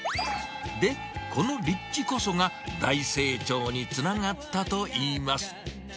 で、この立地こそが、大成長につながったといいます。